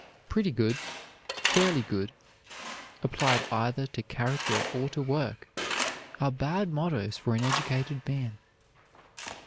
"Pretty good," "Fairly good," applied either to character or to work are bad mottoes for an educated man.